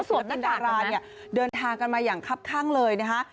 แล้วดาราเดินทางกันมาอย่างคับข้างเลยนะคะ